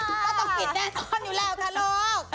ก็ต้องปิดแน่นอนอยู่แล้วค่ะลูก